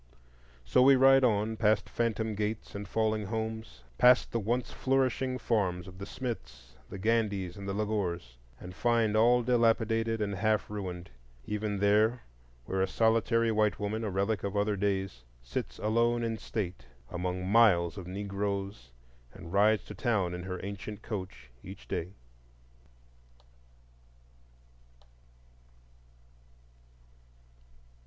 So we ride on, past phantom gates and falling homes,—past the once flourishing farms of the Smiths, the Gandys, and the Lagores,—and find all dilapidated and half ruined, even there where a solitary white woman, a relic of other days, sits alone in state among miles of Negroes and rides to town in her ancient coach each day.